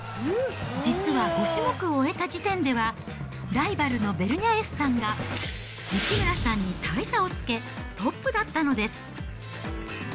実は５種目を終えた時点では、ライバルのベルニャエフさんが内村さんに大差をつけ、トップだったのです。